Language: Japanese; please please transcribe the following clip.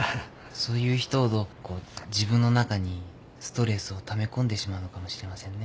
そういう人ほどこう自分の中にストレスをため込んでしまうのかもしれませんね。